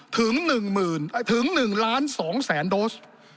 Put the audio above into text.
ถึง๑๒๐๐๐๐๐โดส